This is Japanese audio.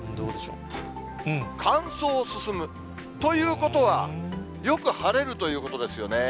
乾燥進む、ということは、よく晴れるということですよね。